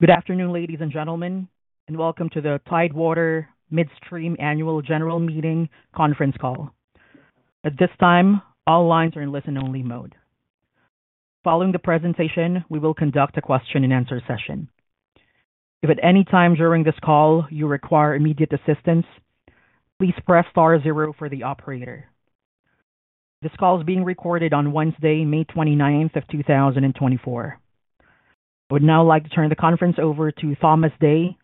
Good afternoon, ladies and gentlemen, and welcome to the Tidewater Midstream Annual General Meeting conference call. At this time, all lines are in listen-only mode. Following the presentation, we will conduct a question and answer session. If at any time during this call you require immediate assistance, please press star zero for the operator. This call is being recorded on Wednesday, May 29, 2024. I would now like to turn the conference over to Thomas Dea,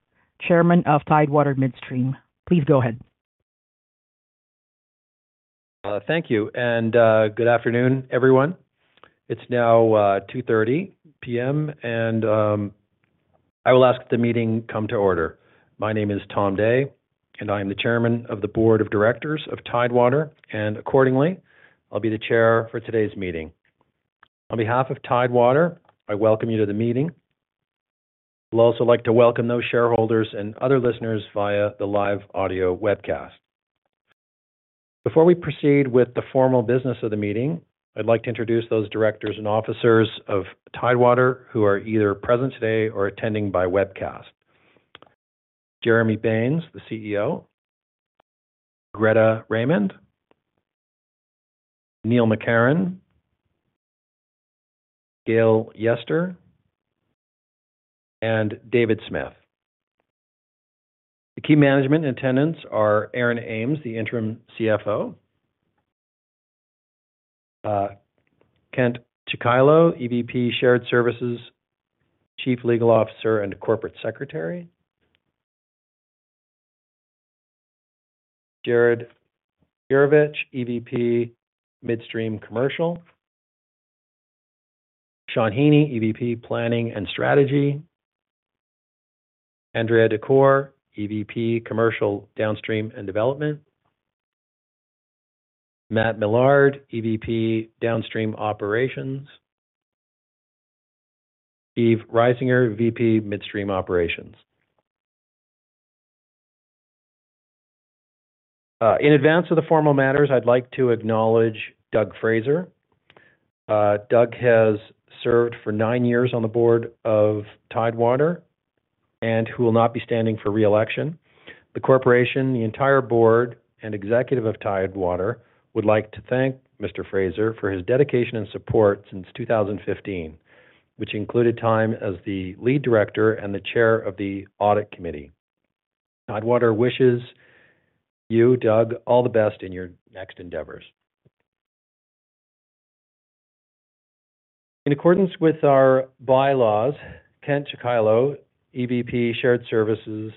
Chairman of Tidewater Midstream. Please go ahead. Thank you, and good afternoon, everyone. It's now 2:30 P.M., and I will ask the meeting come to order. My name is Thomas Dea, and I am the Chairman of the Board of Directors of Tidewater, and accordingly, I'll be the Chair for today's meeting. On behalf of Tidewater, I welcome you to the meeting. I'd also like to welcome those shareholders and other listeners via the live audio webcast. Before we proceed with the formal business of the meeting, I'd like to introduce those Directors and Officers of Tidewater who are either present today or attending by webcast. Jeremy Baines, the CEO, Greta Raymond, Neil McCarron, Gail Yester, and David Smith. The key management in attendance are Aaron Ames, the interim CFO. Kent Chicilo, EVP, Shared Services, Chief Legal Officer, and Corporate Secretary. Jared Gurevitch, EVP, Midstream Commercial. Shawn Heaney, EVP, Planning and Strategy. Andrea Decore, EVP, Commercial, Downstream and Development. Matt Millard, EVP, Downstream Operations. Steven Reisinger, VP, Midstream Operations. In advance of the formal matters, I'd like to acknowledge Doug Fraser. Doug has served for nine years on the Board of Tidewater and who will not be standing for re-election. The corporation, the entire Board, and Executive of Tidewater would like to thank Mr. Fraser for his dedication and support since 2015, which included time as the Lead Director and the Chair of the Audit Committee. Tidewater wishes you, Doug, all the best in your next endeavors. In accordance with our bylaws, Kent Chicilo, EVP, Shared Services,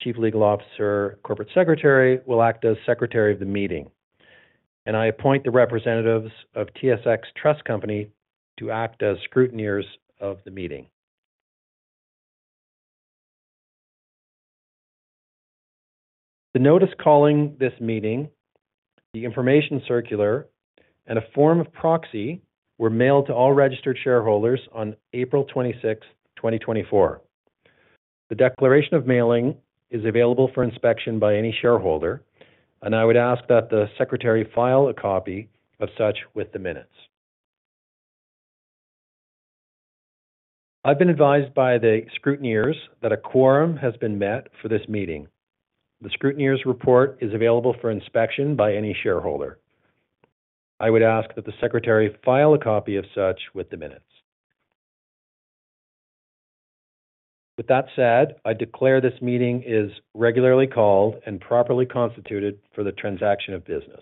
Chief Legal Officer, Corporate Secretary, will act as Secretary of the meeting, and I appoint the representatives of TSX Trust Company to act as scrutineers of the meeting. The notice calling this meeting, the Information Circular, and a form of proxy were mailed to all registered shareholders on April 26th, 2024. The declaration of mailing is available for inspection by any shareholder, and I would ask that the Secretary file a copy of such with the minutes. I've been advised by the scrutineers that a quorum has been met for this meeting. The scrutineers' report is available for inspection by any shareholder. I would ask that the Secretary file a copy of such with the minutes. With that said, I declare this meeting is regularly called and properly constituted for the transaction of business.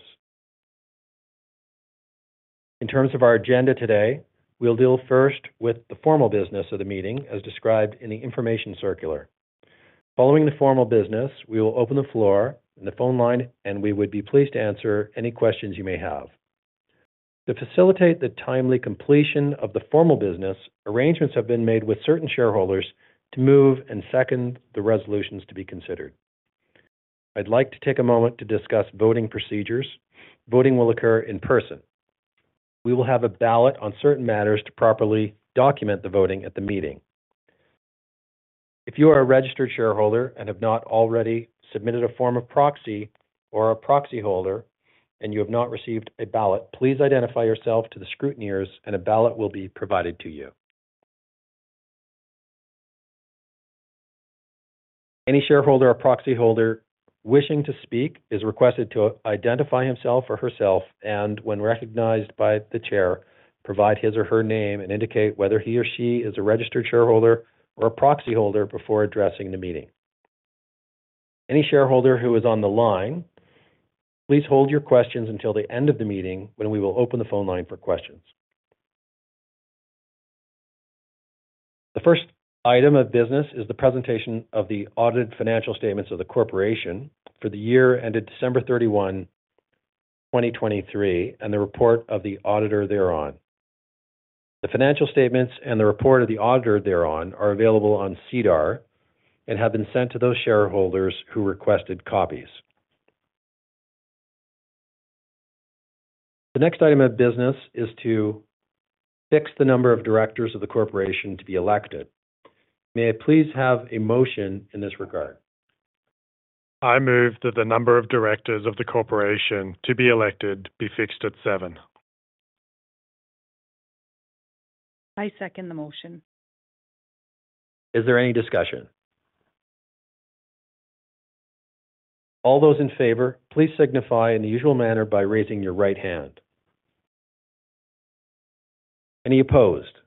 In terms of our agenda today, we'll deal first with the formal business of the meeting, as described in the Information Circular. Following the formal business, we will open the floor and the phone line, and we would be pleased to answer any questions you may have. To facilitate the timely completion of the formal business, arrangements have been made with certain shareholders to move and second the resolutions to be considered. I'd like to take a moment to discuss voting procedures. Voting will occur in person. We will have a ballot on certain matters to properly document the voting at the meeting. If you are a registered shareholder and have not already submitted a form of proxy or a proxy holder and you have not received a ballot, please identify yourself to the scrutineers and a ballot will be provided to you. Any shareholder or proxy holder wishing to speak is requested to identify himself or herself, and when recognized by the Chair, provide his or her name and indicate whether he or she is a registered shareholder or a proxy holder before addressing the meeting. Any shareholder who is on the line, please hold your questions until the end of the meeting when we will open the phone line for questions. The first item of business is the presentation of the audited financial statements of the corporation for the year ended December 31, 2023, and the report of the auditor thereon. The financial statements and the report of the auditor thereon are available on SEDAR and have been sent to those shareholders who requested copies. The next item of business is to fix the number of Directors of the corporation to be elected. May I please have a motion in this regard? I move that the number of Directors of the corporation to be elected be fixed at seven. I second the motion. Is there any discussion? All those in favor, please signify in the usual manner by raising your right hand. Any opposed?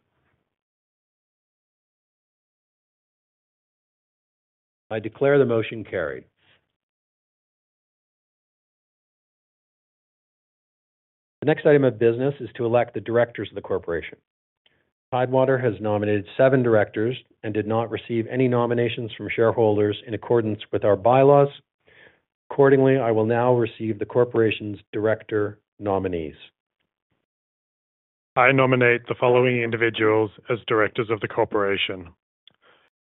I declare the motion carried. The next item of business is to elect the Directors of the corporation. Tidewater has nominated seven Directors and did not receive any nominations from shareholders in accordance with our bylaws. Accordingly, I will now receive the corporation's Director nominees. I nominate the following individuals as Directors of the corporation: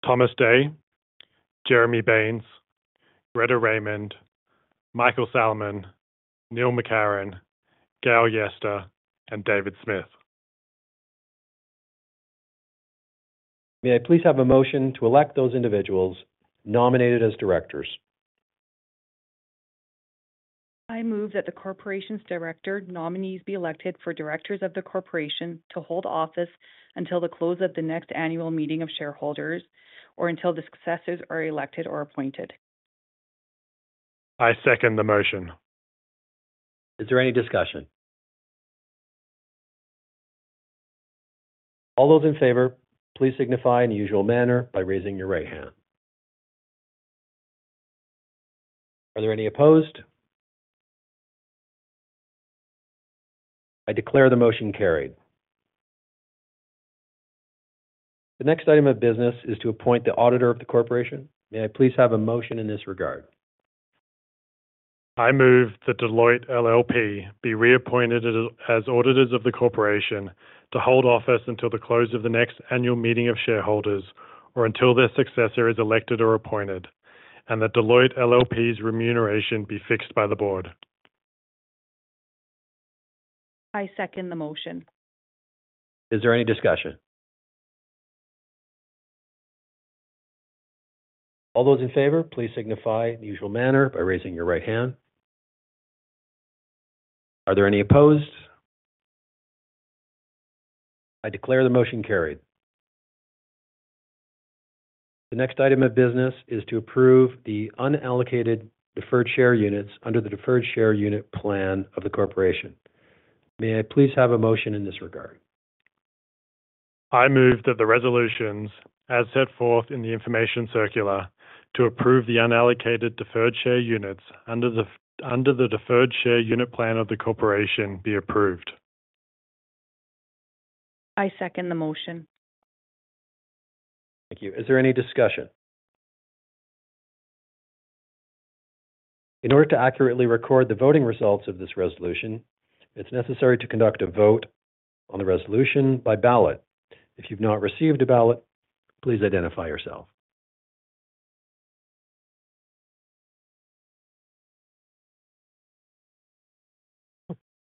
Thomas Dea, Jeremy Baines, Greta Raymond, Michael Salamon, Neil McCarron, Gail Yester, and David Smith. May I please have a motion to elect those individuals nominated as Directors? I move that the corporation's Director nominees be elected for Directors of the corporation to hold office until the close of the next annual meeting of shareholders or until the successors are elected or appointed. I second the motion. Is there any discussion? All those in favor, please signify in the usual manner by raising your right hand. Are there any opposed? I declare the motion carried. The next item of business is to appoint the Auditor of the corporation. May I please have a motion in this regard? I move that Deloitte LLP be reappointed as Auditors of the corporation to hold office until the close of the next annual meeting of shareholders or until their successor is elected or appointed, and that Deloitte LLP's remuneration be fixed by the Board. I second the motion. Is there any discussion? All those in favor, please signify in the usual manner by raising your right hand. Are there any opposed? I declare the motion carried. The next item of business is to approve the unallocated deferred share units under the Deferred Share Unit Plan of the corporation. May I please have a motion in this regard? I move that the resolutions, as set forth in the Information Circular, to approve the unallocated deferred share units under the Deferred Share Unit Plan of the corporation, be approved. I second the motion. Thank you. Is there any discussion? In order to accurately record the voting results of this resolution, it's necessary to conduct a vote on the resolution by ballot. If you've not received a ballot, please identify yourself.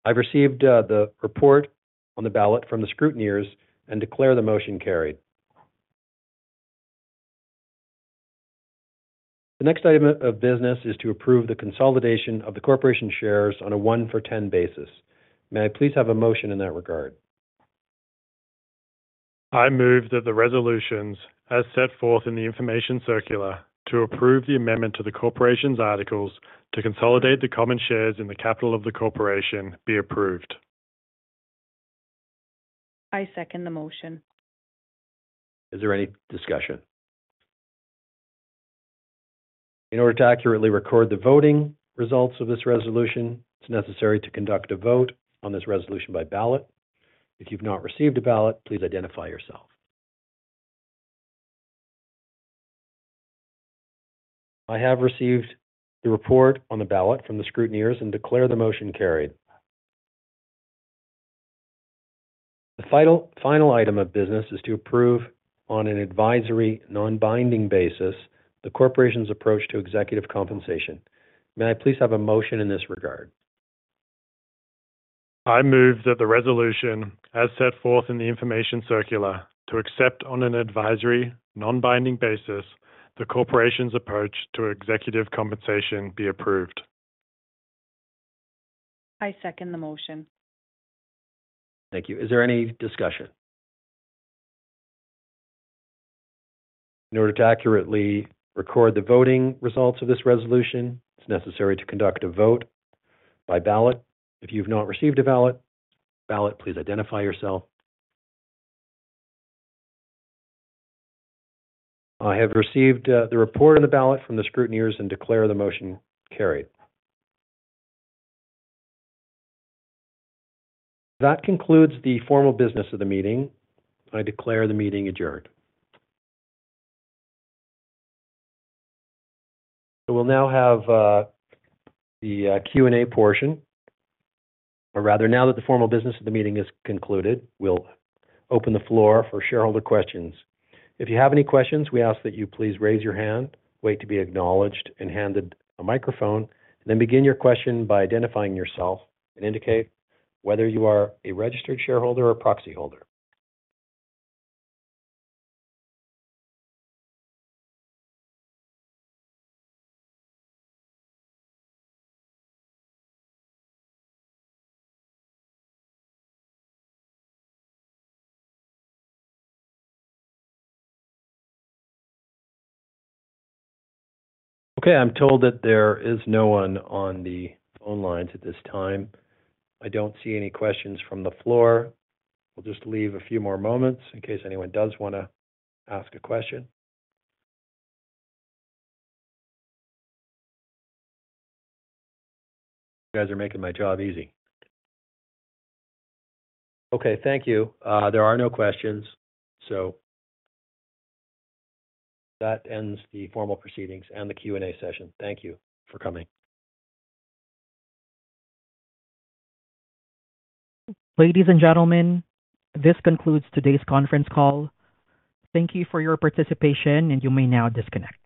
I've received the report on the ballot from the scrutineers and declare the motion carried. The next item of business is to approve the consolidation of the corporation shares on a 1-for-10 basis. May I please have a motion in that regard? I move that the resolutions, as set forth in the Information Circular, to approve the amendment to the corporation's articles to consolidate the Common Shares in the capital of the corporation, be approved. I second the motion. Is there any discussion? In order to accurately record the voting results of this resolution, it's necessary to conduct a vote on this resolution by ballot. If you've not received a ballot, please identify yourself. I have received the report on the ballot from the scrutineers and declare the motion carried. The final, final item of business is to approve, on an advisory, non-binding basis, the corporation's approach to executive compensation. May I please have a motion in this regard? I move that the resolution, as set forth in the Information Circular, to accept on an advisory, non-binding basis, the corporation's approach to executive compensation be approved. I second the motion. Thank you. Is there any discussion? In order to accurately record the voting results of this resolution, it's necessary to conduct a vote by ballot. If you've not received a ballot, please identify yourself. I have received the report on the ballot from the scrutineers and declare the motion carried. That concludes the formal business of the meeting. I declare the meeting adjourned. So we'll now have the Q&A portion. Or rather, now that the formal business of the meeting is concluded, we'll open the floor for shareholder questions. If you have any questions, we ask that you please raise your hand, wait to be acknowledged and handed a microphone, then begin your question by identifying yourself and indicate whether you are a registered shareholder or proxy holder. Okay, I'm told that there is no one on the phone lines at this time. I don't see any questions from the floor. We'll just leave a few more moments in case anyone does wanna ask a question. You guys are making my job easy. Okay, thank you. There are no questions, so that ends the formal proceedings and the Q&A session. Thank you for coming. Ladies and gentlemen, this concludes today's conference call. Thank you for your participation, and you may now disconnect.